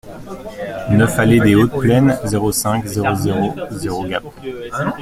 neuf allée Dès Hautes Plaines, zéro cinq, zéro zéro zéro, Gap